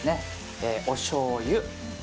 おしょうゆ